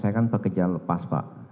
saya akan mencoba untuk mencoba